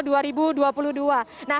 nah kalau sekarang